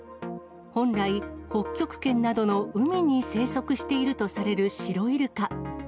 本来、北極圏などの海に生息しているとされるシロイルカ。